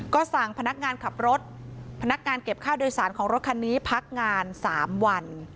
ก็สั่งพนักงานขับรถพนักงานเก็บค่าโดยสารของรถคันนี้พักงาน๓วัน